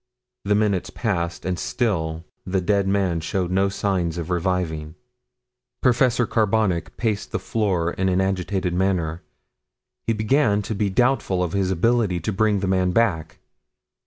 The minutes passed and still the dead man showed no signs of reviving. Professor Carbonic paced the floor in an agitated manner. He began to be doubtful of his ability to bring the man back.